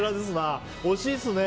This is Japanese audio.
惜しいですね。